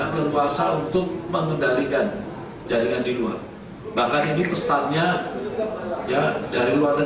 leluasa untuk mengendalikan jaringan di luar bahkan ini pesannya dari luar negeri